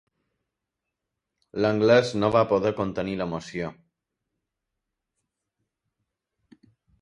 L'anglès no va poder contenir l'emoció.